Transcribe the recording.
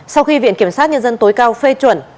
sau khi viện kiểm sát nhân dân tối cao phê chuẩn